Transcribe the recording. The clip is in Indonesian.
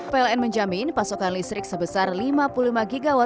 pln menjamin pasokan listrik sebesar lima puluh lima gigawatt pada natal dan tahun baru